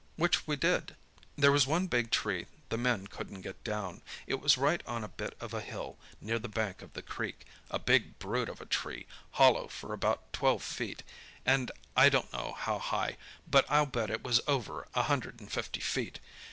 Which we did. "There was one big tree the men couldn't get down. It was right on a bit of a hill, near the bank of the creek—a big brute of a tree, hollow for about twelve feet, and I don't know how high, but I'll bet it was over a hundred and fifty feet.